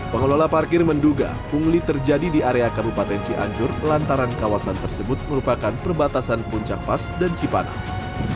pengelola parkir menduga pungli terjadi di area kabupaten cianjur lantaran kawasan tersebut merupakan perbatasan puncak pas dan cipanas